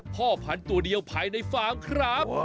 พ่อพันธุ์ตัวเดียวภายในฟาร์มครับ